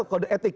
kalau di etik